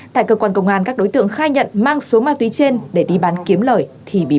tại cơ quan công an các đối tượng khai nhận mang số ma túy trên để đi bán kiếm lời thì bị